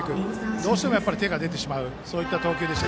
どうしても手が出てしまうという投球でした。